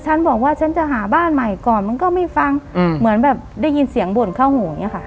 ฉันบอกว่าฉันจะหาบ้านใหม่ก่อนมันก็ไม่ฟังเหมือนแบบได้ยินเสียงบ่นเข้าหูอย่างนี้ค่ะ